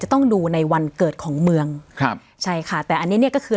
ต้องดูในวันเกิดของเมืองครับใช่ค่ะแต่อันนี้เนี่ยก็คือ